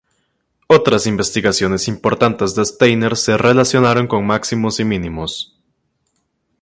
Otras investigaciones importantes de Steiner se relacionaron con máximos y mínimos.